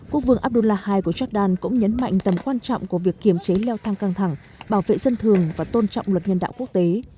quốc vương abdullah hai của jordan cũng nhấn mạnh tầm quan trọng của việc kiểm chế leo thang căng thẳng bảo vệ dân thường và tôn trọng luật nhân đạo quốc tế